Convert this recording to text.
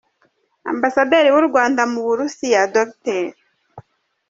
Ambasaderi w’u Rwanda mu Burusiya, Dr.